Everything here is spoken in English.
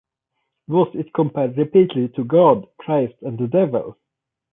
Voss is compared repeatedly to God, Christ and the Devil.